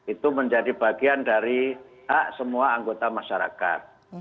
itu menjadi bagian dari hak semua anggota masyarakat